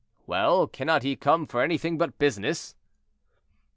"Well, cannot he come for anything but business?"